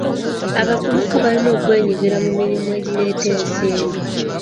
Abavubuka balina okwenyigira mu mirimu egireeta ensimbi.